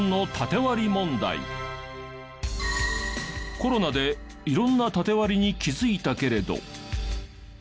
コロナで色んなタテ割りに気づいたけれど。